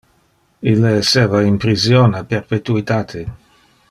Ille esseva in prision a perpetuitate.